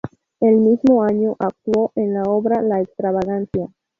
El mismo año actuó en la obra "La extravagancia".